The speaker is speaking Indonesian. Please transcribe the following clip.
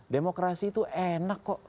demokrasi itu enak kok